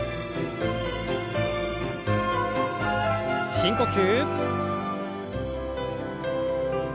深呼吸。